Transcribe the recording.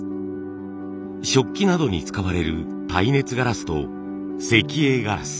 食器などに使われる耐熱ガラスと石英ガラス。